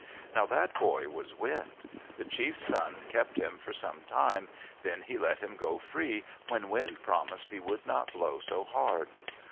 Now that boy was Wind. The chief's son kept him for some time, then he let him go free when Wind promised he would not blow so hard.